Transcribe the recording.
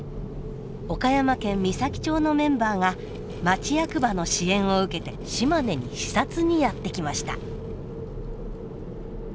岡山県美咲町のメンバーが町役場の支援を受けて島根に視察にやって来ました。